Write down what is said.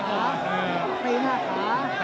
ตามต่อยกที่สองครับ